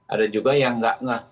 ada juga yang nggak